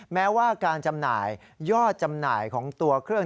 แม้ว่าการยอดจำหน่ายของตัวเครื่อง